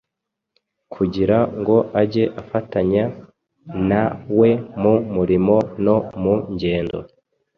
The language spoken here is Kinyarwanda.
kugira ngo ajye afatanya na we mu murimo no mu ngendo.